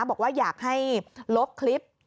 บอกว่าอยากให้ลบคลิป